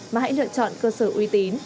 mà hãy lựa chọn cơ sở uy tín